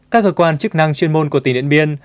các cơ quan chức năng chuyên môn của tỉnh điện biên